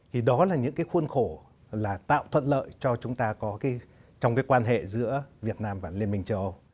thì đó là những cái khuôn khổ là tạo thuận lợi cho chúng ta có trong cái quan hệ giữa việt nam và liên minh châu âu